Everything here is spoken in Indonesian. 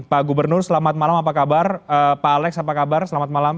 pak gubernur selamat malam apa kabar pak alex apa kabar selamat malam